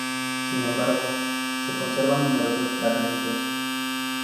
Sin embargo, se conservan numerosos fragmentos.